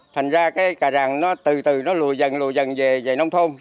thành ra cái cà ràng nó từ từ nó lùi dần lùi dần về nông thôn